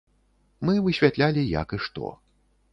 Мы высвятлялі, як і што.